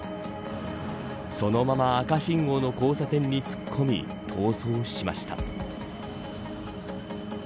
そのまま赤信号の交差点に突っ込み、逃走しました。